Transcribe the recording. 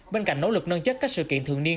bên cạnh nỗ lực nâng chất các sự kiện thường niên